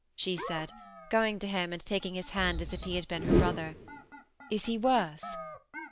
" she said, goiDg to him and taking hts hand as if he had been her brother. "Is he worse?"